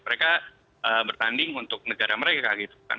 mereka bertanding untuk negara mereka gitu kan